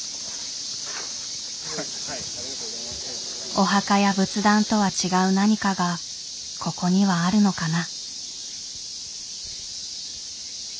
お墓や仏壇とは違う何かがここにはあるのかな。